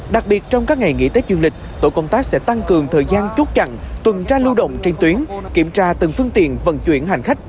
đặc biệt trong các ngày nghỉ tết du lịch tổ công tác sẽ tăng cường thời gian chút chặn tuần tra lưu động trên tuyến kiểm tra từng phương tiện vận chuyển hành khách